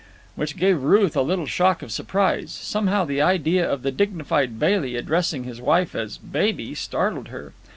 Which gave Ruth a little shock of surprise. Somehow the idea of the dignified Bailey addressing his wife as baby startled her.